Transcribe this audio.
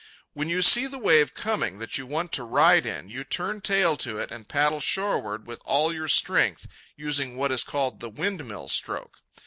When you see the wave coming that you want to ride in, you turn tail to it and paddle shoreward with all your strength, using what is called the windmill stroke.